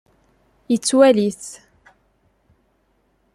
Yettwali-t.